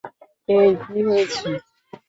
এই, কী হয়েছে?